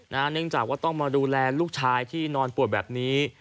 เนื่องจากว่าต้องมาดูแลลูกชายที่นอนป่วยแบบนี้